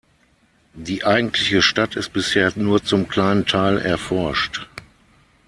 Die eigentliche Stadt ist bisher nur zum kleinen Teil erforscht.